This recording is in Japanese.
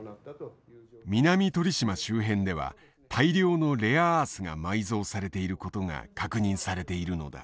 南鳥島周辺では大量のレアアースが埋蔵されていることが確認されているのだ。